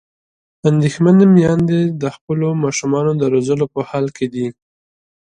اندېښمنې میندې د خپلو ماشومانو د روزلو په حال کې دي.